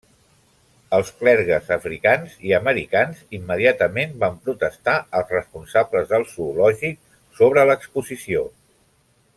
Els clergues africans i americans immediatament van protestar als responsables del zoològic sobre l'exposició.